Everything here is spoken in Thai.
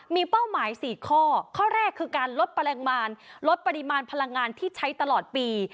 มีเป้าหมาย๔ข้อข้อแรกคือการลดปริมาณลดปริมาณพลังงานที่ใช้ตลอดปี